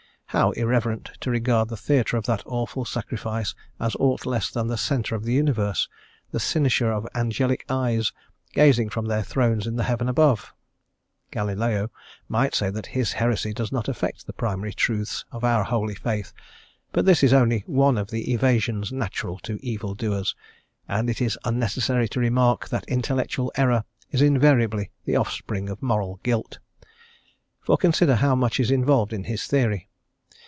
How irreverent to regard the theatre of that awful sacrifice as aught less than the centre of the universe, the cynosure of angelic eyes, gazing from their thrones in the heaven above! Galileo might say that his heresy does not affect the primary truths of our holy faith; but this is only one of the evasions natural to evildoers and it is unnecessary to remark that intellectual error is invariably the offspring of moral guilt for consider how much is involved in his theory.